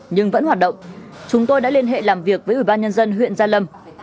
nhưng vẫn hoạt động chúng tôi đã liên hệ làm việc với ủy ban nhân dân huyện gia lâm